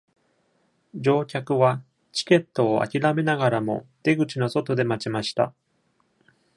乗客は、チケットをあきらめながらも出口の外で待ちました。